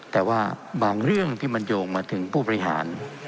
แต่ว่าบางเรื่องที่มันโยงมาถึงผู้บริหาร